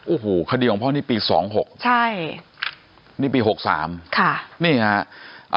โอ้โหคดีของพ่อนี้ปี๒๖ใช่นี่ปี๖๓ค่ะนี่ค่ะ